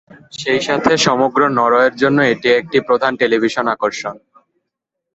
সেই সাথে সমগ্র নরওয়ের জন্য এটি একটি প্রধান টেলিভিশন আকর্ষণ।